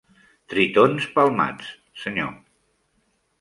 Tritons palmats, senyor.